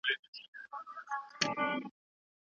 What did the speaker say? دولت په مستقیم ډول پانګونه کوي.